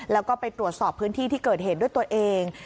แล้วก็ไปตรวจสอบพื้นที่ที่เกิดเหตุด้วยตัวเอง